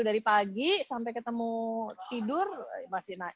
dari pagi sampai ketemu tidur masih naik